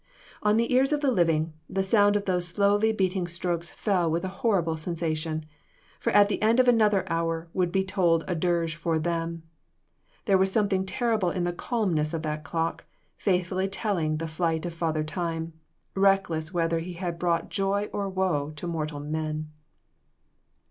On the ears of the living, the sound of those slowly beating strokes fell with a horrible sensation; for at the end of another hour would be tolled a dirge for them. There was something terrible in the calmness of that clock, faithfully telling the flight of Father Time, reckless whether he had brought joy or woe to mortal men.